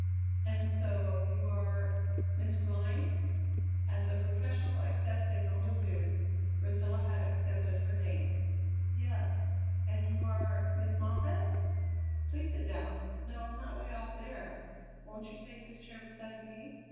"And so you are Miss Glynn?" As a professional accepts a non de plume, Priscilla had accepted her name. "Yes. And you are Miss Moffatt?" "Please sit down no, not way off there! Won't you take this chair beside me?